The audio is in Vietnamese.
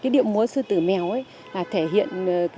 điệu múa hải yến